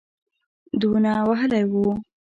دونه وهلی وو.